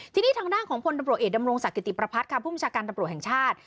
ทีนี้ทางด้านของพลตำรวจเอกดำรงศักดิติประพัฒน์ค่ะผู้บัญชาการตำรวจแห่งชาติ